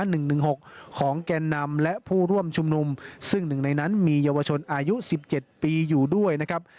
หนึ่งหนึ่งหกของแก่นำและผู้ร่วมชุมนุมซึ่งหนึ่งในนั้นมีเยาวชนอายุสิบเจ็ดปีอยู่ด้วยนะครับ